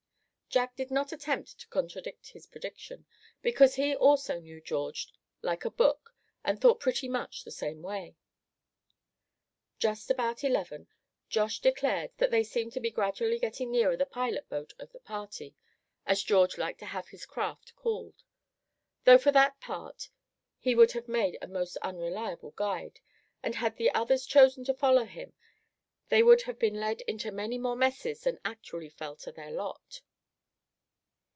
Jack did not attempt to contradict his prediction, because he also knew George like a book and thought pretty much the same way. Just about eleven, Josh declared that they seemed to be gradually getting nearer the pilot boat of the party, as George liked to have his craft called; though for that part he would have made a most unreliable guide, and had the others chosen to follow him, they would have been led into many more messes than actually fell to their lot.